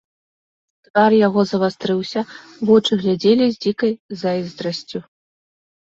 Твар яго завастрыўся, вочы глядзелі з дзікай зайздрасцю.